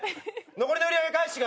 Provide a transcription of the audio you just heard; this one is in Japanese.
残りの売り上げ返してください。